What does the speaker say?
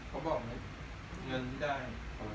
เขาบอกว่าเงินได้